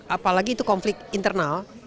apalagi itu konflik internal